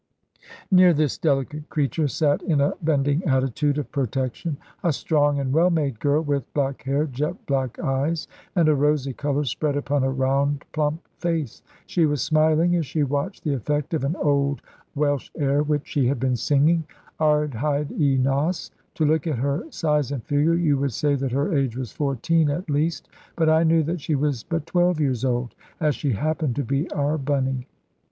Near this delicate creature sate, in a bending attitude of protection, a strong and well made girl, with black hair, jet black eyes, and a rosy colour spread upon a round plump face. She was smiling as she watched the effect of an old Welsh air which she had been singing "Ar hyd y nos." To look at her size and figure, you would say that her age was fourteen at least; but I knew that she was but twelve years old, as she happened to be our Bunny.